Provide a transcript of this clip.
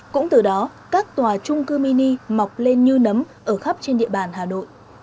cũng từ đó các tòa trung cư mini mọc lên như nấm ở khắp trên địa bàn hà nội